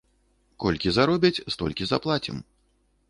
Колькі заробяць, столькі заплацім.